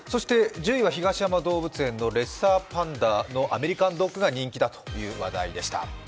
１０位は東山動植物園のレッサーパンダのアメリカンドッグが人気だという話題でした。